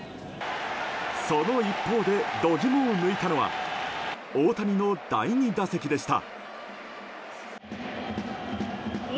その一方で度肝を抜いたのは大谷の第２打席でした。